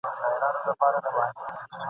په یوه تعویذ مي سم درته پر لار کړ !.